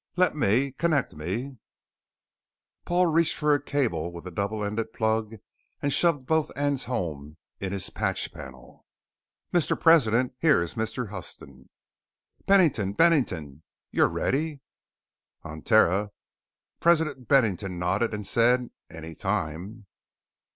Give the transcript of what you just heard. "Let me connect me " Paul reached for a cable with a double ended plug and shoved both ends home in his patch panel. "Mister President, here is Mr. Huston!" "Bennington! Bennington! You're ready?" On Terra, President Bennington nodded and said: "Any time."